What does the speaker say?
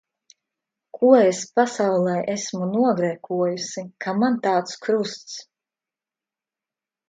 Ko es pasaulē esmu nogrēkojusi, ka man tāds krusts.